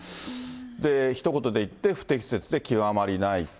ひと言で言って、不適切で極まりないと。